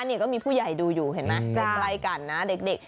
นี่ก็มีผู้ใหญ่ดูอยู่เห็นไหมใกล้กันนะเด็ก